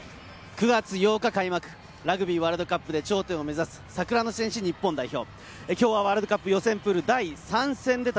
９月８日開幕、ラグビーワールドカップで頂点を目指す桜の戦士、日本代表。